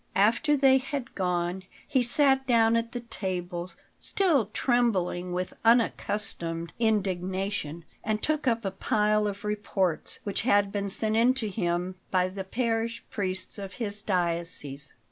After they had gone he sat down at the table, still trembling with unaccustomed indignation, and took up a pile of reports which had been sent in to him by the parish priests of his diocese.